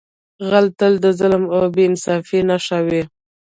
غل تل د ظلم او بې انصافۍ نښه وي